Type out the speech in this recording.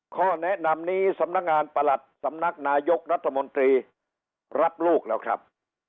ข้อแนะนำนี้สำนักงานประหลัดสำนักนายกรัฐมนตรีรับลูกแล้วครับ